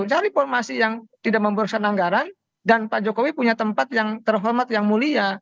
cari formasi yang tidak memburuskan anggaran dan pak jokowi punya tempat yang terhormat yang mulia